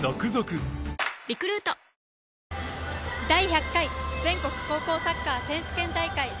第１００回全国高校サッカー選手権大会。